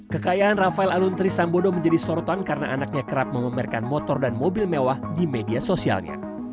kekayaan rafael alun trisambodo menjadi sorotan karena anaknya kerap memamerkan motor dan mobil mewah di media sosialnya